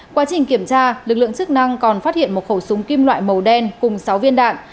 quá trình kiểm tra lực lượng chức năng còn phát hiện một khẩu súng kim loại màu đen cùng sáu viên đạn